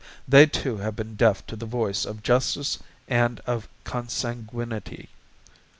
They too have been deaf to the voice of justice and of consanguinity.